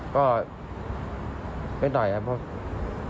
ก็ไม่ต่อยค่ะเพราะว่า